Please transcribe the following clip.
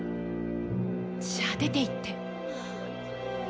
じゃあ出て行って。